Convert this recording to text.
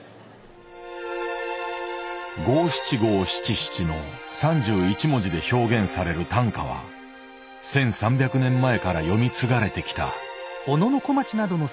五七五七七の３１文字で表現される短歌は１，３００年前からよみ継がれてきた。